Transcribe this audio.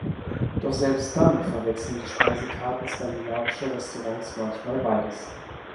Doch selbst dann verwechseln die Speisekarten skandinavischer Restaurants manchmal beides.